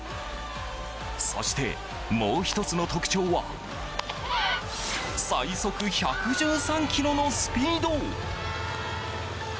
そして、もう１つの特徴は最速１１３キロのスピード。